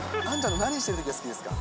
何してるときが好きですか。